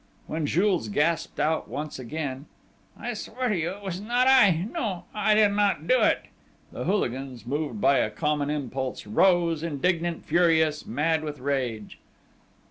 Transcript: When Jules gasped out once again: "I swear to you it was not I! No!... I did not do it!" The hooligans, moved by a common impulse, rose, indignant, furious, mad with rage.